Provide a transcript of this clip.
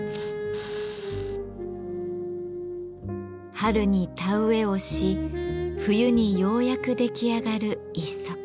春に田植えをし冬にようやく出来上がる一足。